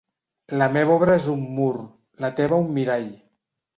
"la meva obra és un mur, la teva un mirall".